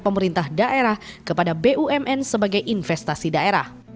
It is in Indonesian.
pemerintah daerah kepada bumn sebagai investasi daerah